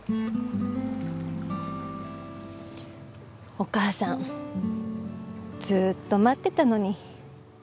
お母さんずっと待ってたのに。